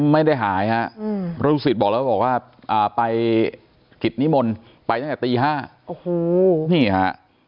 ไม่ได้หายฮะลูกศิษย์บอกแล้วบอกว่าไปกิจนิมนต์ไปตั้งแต่ตี๕โอ้โหนี่ฮะ